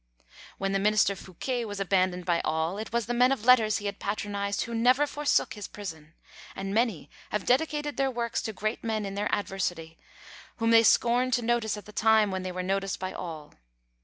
When the minister Fouquet was abandoned by all, it was the men of letters he had patronised who never forsook his prison; and many have dedicated their works to great men in their adversity, whom they scorned to notice at the time when they were noticed by all.